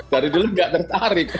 dari dulu gak tertarik